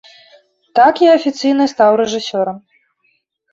Так я афіцыйна стаў рэжысёрам.